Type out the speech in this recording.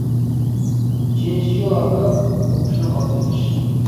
جىنسىي يول ئارقىلىق يۇقۇشنىڭ ئالدىنى ئېلىش.